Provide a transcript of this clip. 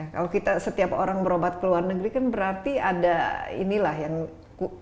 kalau kita setiap orang berobat ke luar negeri kan berarti ada inilah yang berarti